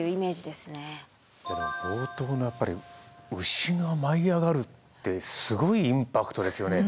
でも冒頭のやっぱり牛が舞い上がるってすごいインパクトですよね。